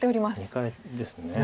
２回ですね。